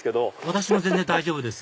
私も全然大丈夫です